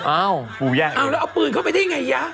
อ้าวแล้วเอาปืนเข้าไปได้ไง